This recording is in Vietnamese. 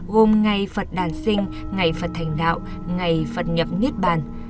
gồm ngày phật đàn sinh ngày phật thành đạo ngày phật nhập niết bàn